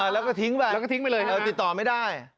แล้วก็ทิ้งไปเลยติดต่อไม่ได้